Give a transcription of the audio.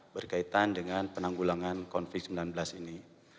berkaitan dengan penanggulangan covid sembilan belas ini